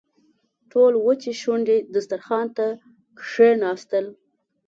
ټول وچې شونډې دسترخوان ته کښېناستل.